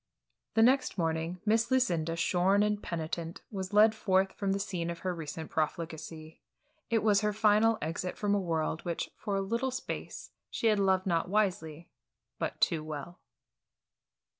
The next morning, Miss Lucinda, shorn and penitent, was led forth from the scene of her recent profligacy. It was her final exit from a world which for a little space she had loved not wisely but too well.